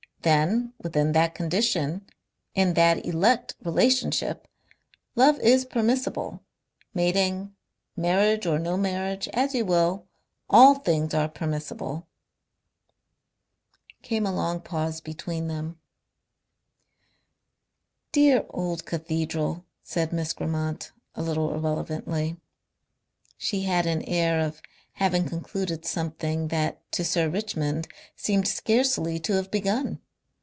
Then within that condition, in that elect relationship, love is permissible, mating, marriage or no marriage, as you will all things are permissible...." Came a long pause between them. "Dear old cathedral," said Miss Grammont, a little irrelevantly. She had an air of having concluded something that to Sir Richmond seemed scarcely to have begun.